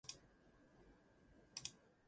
The Cardholder does not own this card.